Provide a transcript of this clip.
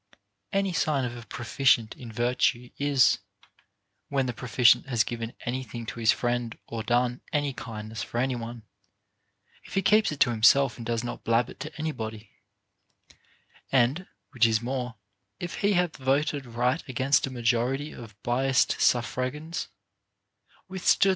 Another sign of a proficient in virtue is, when the pro ficient has given any thing to his friend or done any kind ness for any one, if he keeps it to himself and does not blab it to anybody ; and (which is more) if he hath voted right against a majority of biassed suffragans, withstood 462 OF MAN'S PROGRESS IN VIRTUE.